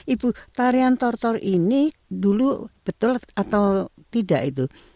ibu tarian tortor ini dulu betul atau tidak itu